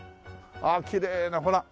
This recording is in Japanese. あっきれいなほら。